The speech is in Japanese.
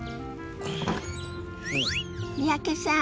三宅さん